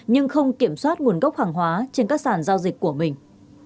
nhưng không kiểm soát nguồn gốc hàng hóa trên các sản giao dịch của mình